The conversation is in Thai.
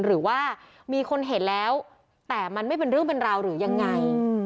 หรือว่ามีคนเห็นแล้วแต่มันไม่เป็นเรื่องเป็นราวหรือยังไง